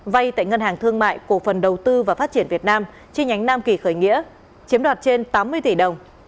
vay tại ngân hàng thương mại cổ phần đầu tư và phát triển việt nam chi nhánh nam kỳ khởi nghĩa chiếm đoạt trên tám mươi tỷ đồng